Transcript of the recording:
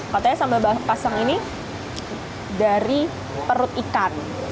katanya sambal pasang ini dari perut ikan